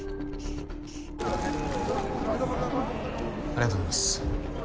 ありがとうございます。